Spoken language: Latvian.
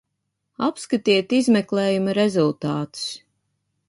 Apskatiet izmeklējuma rezultātus!